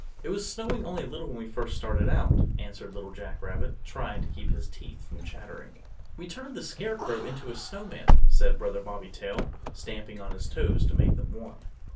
"It was snowing only a little when we first started out," answered Little Jack Rabbit, trying to keep his teeth from chattering. "We turned the Scarecrow into a Snowman," said Brother Bobby Tail, stamping on his toes to make them warm.